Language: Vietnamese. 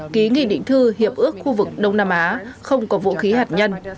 ký nghị định thư hiệp ước khu vực đông nam á không có vũ khí hạt nhân